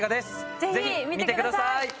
ぜひ見てください！